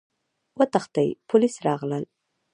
وتښتئ! پوليس راغلل!